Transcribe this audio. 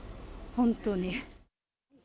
本当に。